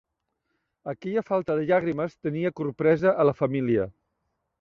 Aquella falta de llàgrimes tenia corpresa a la família.